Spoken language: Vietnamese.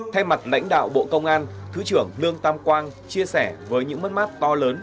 theo mặt lãnh đạo bộ công an thứ trưởng lương tam quang chia sẻ với những mắt mắt to lớn